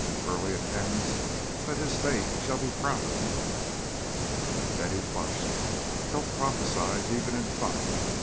"Burleigh intends that his State shall be proud of you." Betty flushed. "Don't prophesy, even in fun.